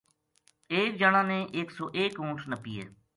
ایک جنا نے ایک سو ایک اُونٹھ نپی ہے